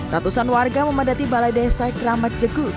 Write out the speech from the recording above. ratusan warga memadati balai desa keramat jegu